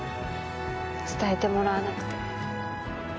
伝えてもらわなくて。